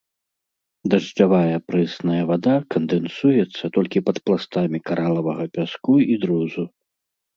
Дажджавая прэсная вада кандэнсуецца толькі пад пластамі каралавага пяску і друзу.